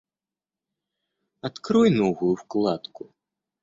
Открой новую вкладку